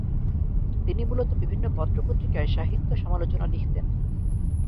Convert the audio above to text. তিনি মূলত বিভিন্ন পত্র-পত্রিকায় সাহিত্য সমালোচনা লিখতেন।